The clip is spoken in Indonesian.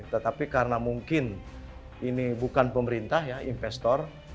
tetapi karena mungkin ini bukan pemerintah ya investor